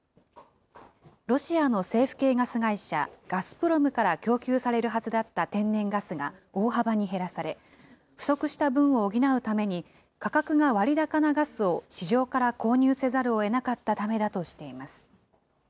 ロシアの政府系ガス会社、ガスプロムから供給されるはずだった天然ガスが大幅に減らされ、不足した分を補うために、価格が割高なガスを市場から購入せざるをえなかったためだとしています。